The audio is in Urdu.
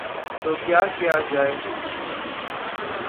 تو کیا کیا جائے؟